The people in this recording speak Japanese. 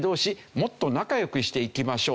もっと仲良くしていきましょう。